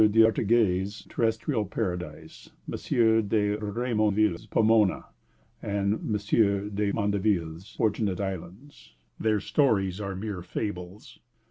d'Artaguette's terrestrial paradise, M. de Rémonville's Pomona, and M. de Mandeville's Fortunate Islands. Their stories are mere fables."